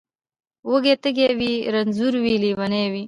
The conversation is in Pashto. وږی تږی وي رنځور وي لېونی وي